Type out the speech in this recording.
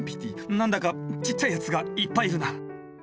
なんだかちっちゃいやつがいっぱいいるな。